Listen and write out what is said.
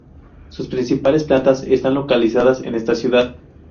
Sus principales plantas están localizadas en esta ciudad.